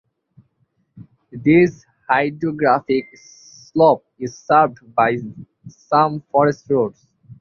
This hydrographic slope is served by some forest roads.